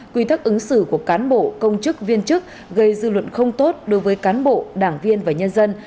quy tắc ứng xử của cán bộ công chức viên chức gây dư luận không tốt đối với cán bộ đảng viên và nhân dân